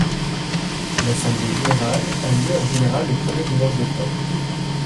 L'assemblée générale a lieu en général le premier dimanche d'octobre.